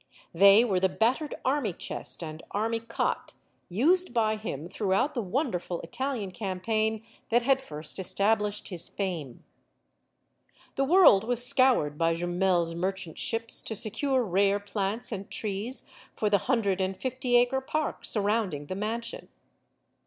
They were the battered army chest and army cot used by him throughout the wonderful Italian campaign that had first established his fame. The world was scoured by Jumel's merchant ships to secure rare plants and trees for the hundred and fifty acre park surrounding the mansion.